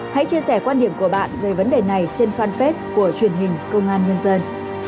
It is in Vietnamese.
hãy chia sẻ quan điểm của bạn về vấn đề này trên fanpage của truyền hình công an nhân dân